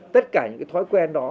tất cả những thói quen đó